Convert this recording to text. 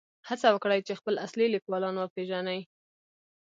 هڅه وکړئ چې خپل اصلي لیکوالان وپېژنئ.